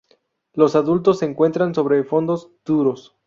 Los adultos se encuentran sobre fondos duros.